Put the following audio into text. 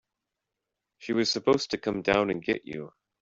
She was supposed to come down and get you.